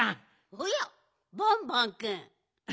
おやバンバンくん。